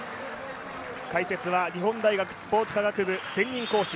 解説は、日本大学スポーツ科学部専任講師、